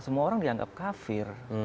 semua orang dianggap kafir